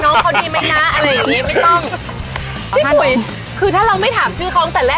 น้องเขาดีไหมนะอะไรอย่างงี้ไม่ต้องไม่คุยคือถ้าเราไม่ถามชื่อเขาตั้งแต่แรก